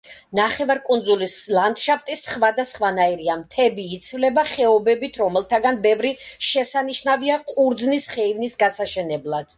ნახევარკუნძულის ლანდშაფტი სხვადასხვანაირია: მთები იცვლება ხეობებით, რომელთაგან ბევრი შესანიშნავია ყურძნის ხეივნის გასაშენებლად.